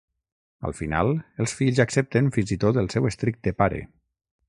Al final, els fills accepten fins i tot el seu estricte pare.